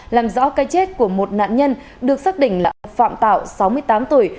làm rõ cái chết của một nạn nhân được xác định là ông phạm tạo sáu mươi tám tuổi